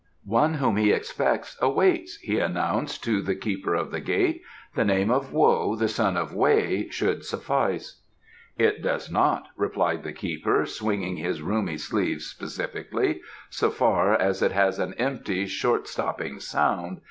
"One whom he expects awaits," he announced to the keeper of the gate. "The name of Wo, the son of Weh, should suffice." "It does not," replied the keeper, swinging his roomy sleeve specifically. "So far it has an empty, short stopping sound.